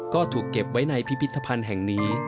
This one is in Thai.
ก็ถูกเก็บไว้ในพิพิธภัณฑ์แห่งนี้